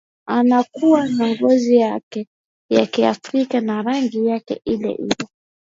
anakuwa na ngozi yake ya kiafrika na rangi yake ile ile